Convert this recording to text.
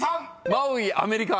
マウイ「アメリカ」